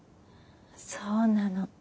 そうなの。